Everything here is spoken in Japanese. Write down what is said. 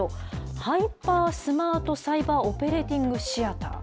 ハイパー・スマート・サイバー・オペレーティング・シアター。